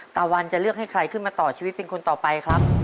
ตะวันจะเลือกให้ใครขึ้นมาต่อชีวิตเป็นคนต่อไปครับ